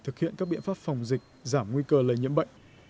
thực hiện các biện pháp phòng dịch giảm nguy cơ lây nhiễm bệnh